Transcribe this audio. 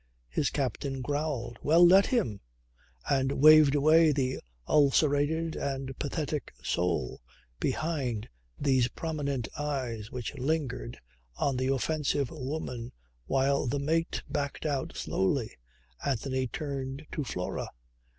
His captain growled "Well, let him," and waved away the ulcerated and pathetic soul behind these prominent eyes which lingered on the offensive woman while the mate backed out slowly. Anthony turned to Flora.